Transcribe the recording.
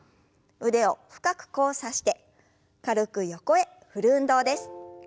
腕を深く交差して軽く横へ振る運動です。